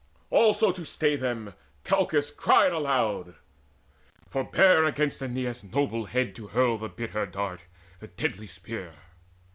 Also, to stay them, Calchas cried aloud: "Forbear against Aeneas' noble head To hurl the bitter dart, the deadly spear!